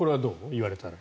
言われたら。